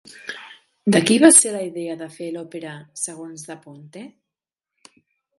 De qui va ser la idea de fer l'òpera segons Da Ponte?